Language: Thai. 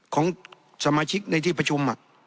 ของสมาชิกในที่ประชุม